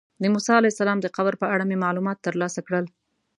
د موسی علیه السلام د قبر په اړه مې معلومات ترلاسه کړل.